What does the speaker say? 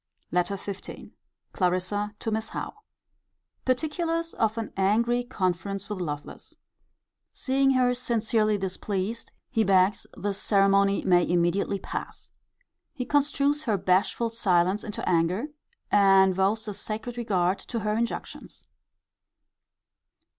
LETTER XV. Clarissa to Miss Howe. Particulars of an angry conference with Lovelace. Seeing her sincerely displeased, he begs the ceremony may immediately pass. He construes her bashful silence into anger, and vows a sacred regard to her injunctions.